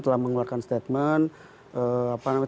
telah mengeluarkan statement